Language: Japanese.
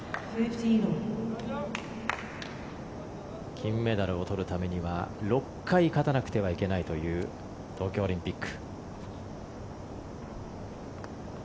金メダルを取るためには６回勝たなくてはいけないという東京オリンピック。